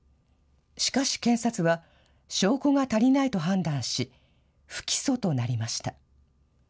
しかし、検察は証拠が足りないと判断し、不起訴となりました。